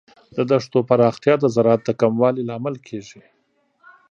د دښتو پراختیا د زراعت د کموالي لامل کیږي.